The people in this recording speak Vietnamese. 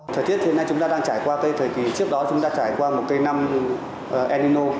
thời tiết hiện nay chúng ta đang trải qua cái thời kỳ trước đó chúng ta trải qua một cái năm el nino